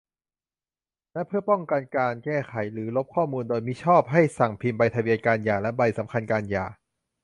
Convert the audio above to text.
และเพื่อป้องกันการแก้ไขหรือลบข้อมูลโดยมิชอบ ให้สั่งพิมพ์ใบทะเบียนการหย่าและใบสำคัญการหย่า